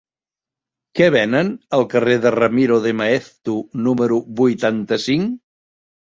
Què venen al carrer de Ramiro de Maeztu número vuitanta-cinc?